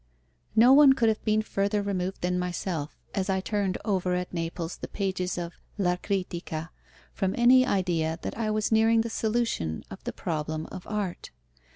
No one could have been further removed than myself, as I turned over at Naples the pages of La Critica, from any idea that I was nearing the solution of the problem of Art.